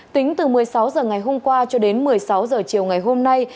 tính từ một mươi sáu h ngày hôm qua cho đến một mươi sáu h chiều ngày hôm nay